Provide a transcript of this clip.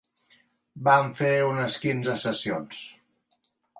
Vam fer unes quinze sessions.